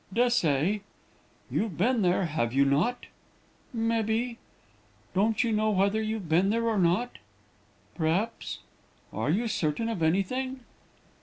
"'Des'say.' "'You've been there, have you not?' "'Mebbee.' "'Don't you know whether you've been there or not?' "'P'r'aps.' "'Are you certain of anything?'